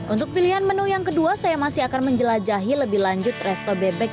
untuk pilihan menu yang kedua saya masih akan menjelajahi lebih lanjut resto bebek